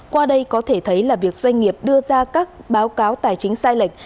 qua đây có thể thấy là việc doanh nghiệp đưa ra các báo cáo tài chính sai lệch